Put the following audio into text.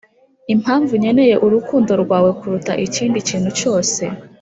impamvu nkeneye urukundo rwawe kuruta ikindi kintu cyose